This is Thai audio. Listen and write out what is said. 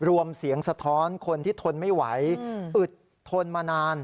รวมเสียงสะท้อนคนที่ทนไม่ไหวอึดทนมานาน